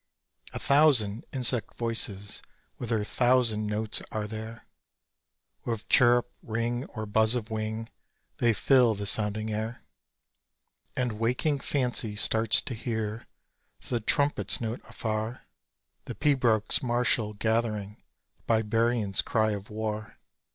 A thousand insect voices, with their thousand notes are there; With chirrup, ring, or buzz of wing, they fill the sounding air; And waking fancy starts to hear the trumpet's note afar; The pibroch's martial gathering, the barbarian's cry of war.